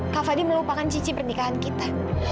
kak fadil melupakan cincin pernikahan kita